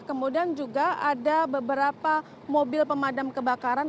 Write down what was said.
kemudian juga ada beberapa mobil pemadam kebakaran